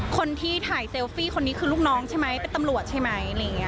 คนที่ถ่ายเซลฟี่คนนี้คือลูกน้องใช่ไหมเป็นตำรวจใช่ไหมอะไรอย่างนี้